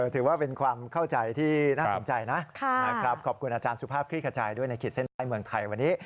ถือว่าเป็นความเข้าใจที่น่าสนใจนะขอบคุณอาจารย์สุภาพคลี่ขจายด้วยในขีดเส้นใต้เมืองไทยวันนี้